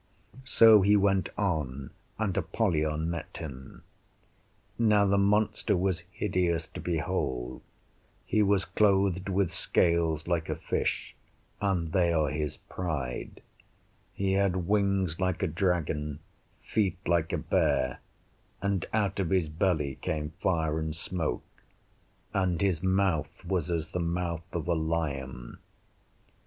So he went on, and Apollyon met him. Now the monster was hideous to behold: he was clothed with scales like a fish (and they are his pride); he had wings like a dragon, feet like a bear, and out of his belly came fire and smoke; and his mouth was as the mouth of a lion.